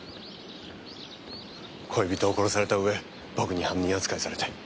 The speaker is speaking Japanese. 恋人を殺された上僕に犯人扱いされて。